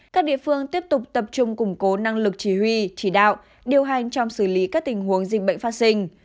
cố năng lực chỉ huy chỉ đạo điều hành trong xử lý các tình huống dịch bệnh phát sinh